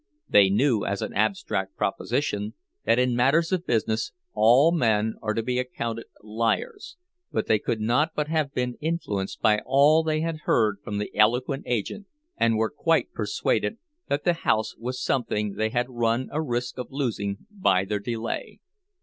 They knew, as an abstract proposition, that in matters of business all men are to be accounted liars; but they could not but have been influenced by all they had heard from the eloquent agent, and were quite persuaded that the house was something they had run a risk of losing by their delay.